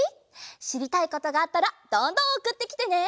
しりたいことがあったらどんどんおくってきてね！